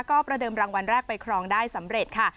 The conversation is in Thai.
ก็ประเดิมรางวัลแรกไปครองได้สำเร็จค่ะ